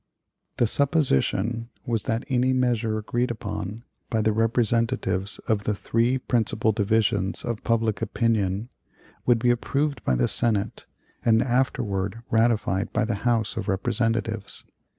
The supposition was that any measure agreed upon by the representatives of the three principal divisions of public opinion would be approved by the Senate and afterward ratified by the House of Representatives.